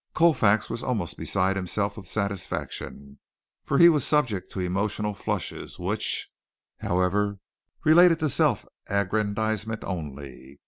Colfax was almost beside himself with satisfaction, for he was subject to emotional flushes which, however, related to self aggrandizement only.